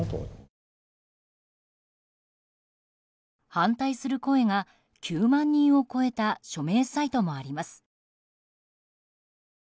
反対する声が９万人を超えた署名サイトもあります。